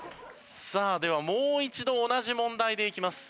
さあではもう一度同じ問題でいきます。